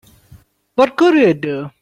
What good'll it do?